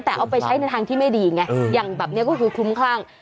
แต่เอาไปใช้ในทางที่ไม่ดีไงอย่างแบบนี้ก็คือคลุ้มคลั่ง